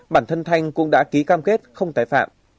bản thân thanh cũng đã ký cam kết không tái phạm